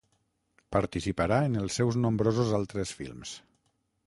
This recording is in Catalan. Participarà en els seus nombrosos altres films.